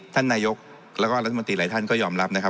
ท่านนายกแล้วก็รัฐมนตรีหลายท่านก็ยอมรับนะครับ